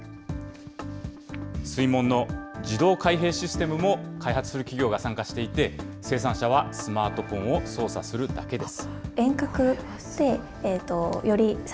水門の自動開閉システムも開発する企業が参加していて、生産者はスマートフォンを操作するだけです。